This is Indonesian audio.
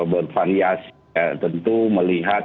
bervariasi tentu melihat